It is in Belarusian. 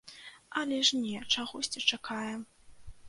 Але ж не, чагосьці чакаем.